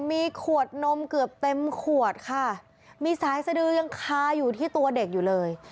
มีขวดนมเกือบเต็มขวดค่ะมีสายสดือยังคาอยู่ที่ตัวเด็กอยู่เลย